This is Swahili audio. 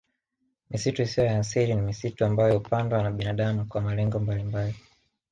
Misitu isiyo ya asili ni misitu ambayo hupandwa na binadamu kwa malengo mbalimbali